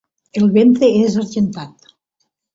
El ventre és argentat.